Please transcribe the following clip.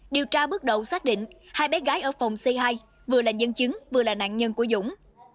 điều tra bước đầu xác định hai bé gái ở phòng c hai vừa là nhân chứng vừa là nạn nhân của dũng